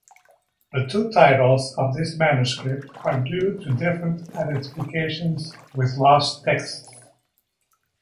The two titles of this manuscript are due to different identifications with lost texts.